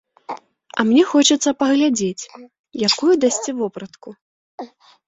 А мне хочацца паглядзець, якую дасце вопратку?